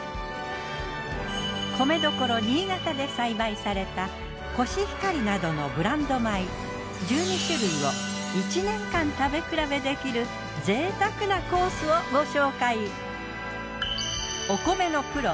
米どころ新潟で栽培されたこしひかりなどのブランド米１２種類を１年間食べ比べできる贅沢なコースをご紹介。